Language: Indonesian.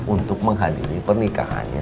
untuk menghadiri pernikahannya